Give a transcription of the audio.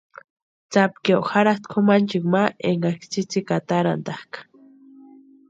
Tsapkio jarhasti kʼumanchikwa ma énkaksï tsïtsïki atarantakʼa.